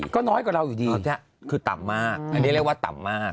ก็น้อยของเราอยู่ดีอันนี้เรียกว่าต่ำมาก